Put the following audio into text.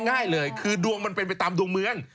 ง่ายเลยคือดวงมันเป็นไปตามดวงเมือง